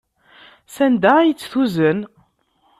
Sanda ay tt-tuzen?